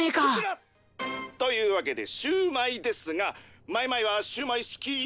「というわけでシュウマイですがまいまいはシュウマイ好き？」